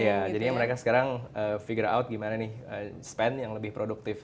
iya jadinya mereka sekarang figure out gimana nih spend yang lebih produktif